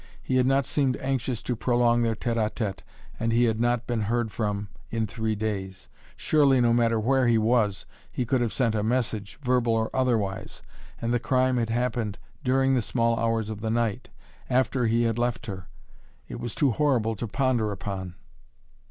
He had not seemed anxious to prolong their tete a tete, and he had not been heard from in three days. Surely, no matter where he was, he could have sent a message, verbal or otherwise. And the crime had happened during the small hours of the night after he had left her! It was too horrible to ponder upon!